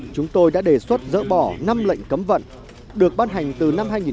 chúng tôi đã đề xuất gỡ bỏ năm lệnh cấm vận được ban hành từ năm hai nghìn một mươi sáu đến năm hai nghìn một mươi bảy